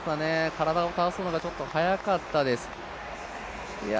体を倒すのがちょっと早かったです。